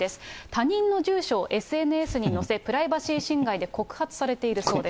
他人の住所をＳＮＳに載せ、プライバシー侵害で告発されているそうです。